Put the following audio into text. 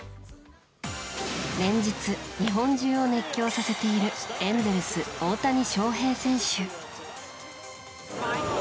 連日、日本中を熱狂させているエンゼルス、大谷翔平選手。